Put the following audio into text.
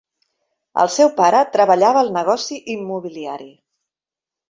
El seu pare treballava al negoci immobiliari.